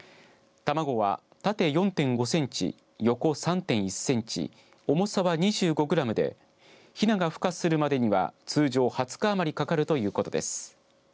卵は縦４．５センチ横３．１センチ重さは２５グラムでヒナがふ化するまでには通常２０日余りかかるということです。